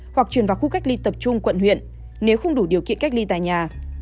hoặc chuyển vào khu cách ly tập trung quận huyện nếu không đủ điều kiện cách ly tại nhà